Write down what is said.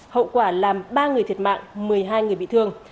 hậu quả làm ba người thiệt mạng một mươi hai người bị thương